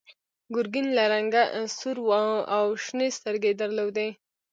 ګرګین له رنګه سور و او شنې سترګې یې درلودې.